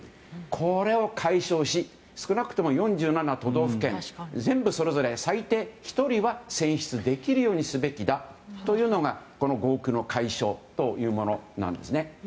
これを解消し少なくとも４７都道府県全部それぞれ最低１人は選出できるようにすべきだというのが合区の解消というものですね。